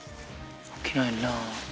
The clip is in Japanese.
起きないなぁ。